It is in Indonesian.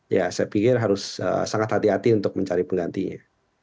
ya saya pikir harus sangat hati hati untuk mencari penggantinya